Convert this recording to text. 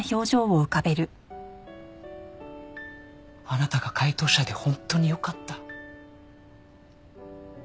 あなたが解答者で本当によかった。